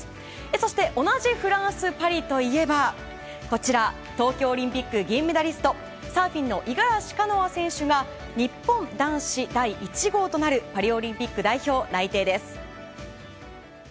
そして同じフランス・パリといえばこちら東京オリンピック銀メダリストサーフィンの五十嵐カノア選手が日本男子第１号となるパリオリンピック代表内定です。